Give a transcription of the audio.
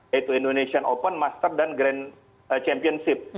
yaitu indonesian open master dan grand championship